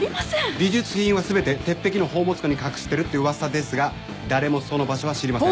美術品は全て鉄壁の宝物庫に隠してるって噂ですが誰もその場所は知りません。